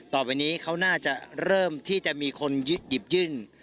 ต่อไปนี้เขาน่าจะเริ่มที่จะมีคนหยิบยื่น